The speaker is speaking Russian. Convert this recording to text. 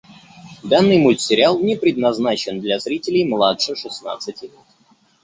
Данный мультсериал не предназначен для зрителей младше шестнадцати лет.